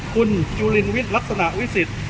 คุณยุลินวิทรัศนาวิสิทธิ